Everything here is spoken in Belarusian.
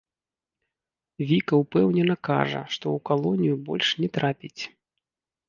Віка ўпэўнена кажа, што ў калонію больш не трапіць.